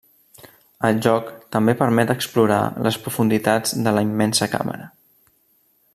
El joc també permet explorar les profunditats de la immensa càmera.